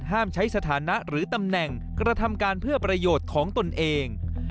ใช้สถานะหรือตำแหน่งกระทำการเพื่อประโยชน์ของตนเอง